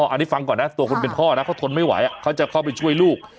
อันนี้ฟังก่อนนะตัวคนเป็นพ่อนะเขาทนไม่ไหวเขาจะเข้าไปช่วยลูก